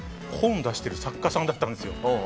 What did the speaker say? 本を出してる作家さんだったんですよ。